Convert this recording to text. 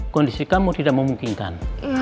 kondisi kamu tidak memungkinkan